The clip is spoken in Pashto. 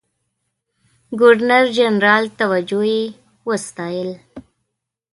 د ګورنرجنرال توجه یې وستایل.